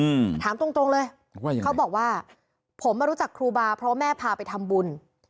อืมถามตรงตรงเลยว่ายังไงเขาบอกว่าผมมารู้จักครูบาเพราะว่าแม่พาไปทำบุญ